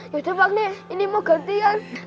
yaudah pak lek ini mau gantian